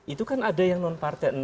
itu kan ada yang nonparten enam